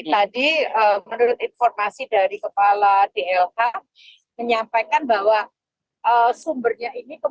tadi menurut informasi dari kepala dlk menyampaikan bahwa sumbernya ini